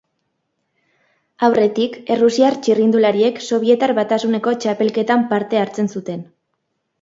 Aurretik, errusiar txirrindulariek Sobietar Batasuneko txapelketan parte hartzen zuten.